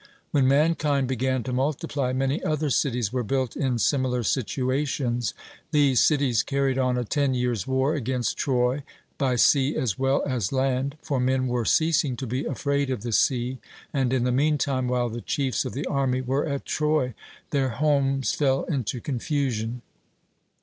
When mankind began to multiply, many other cities were built in similar situations. These cities carried on a ten years' war against Troy, by sea as well as land, for men were ceasing to be afraid of the sea, and, in the meantime, while the chiefs of the army were at Troy, their homes fell into confusion.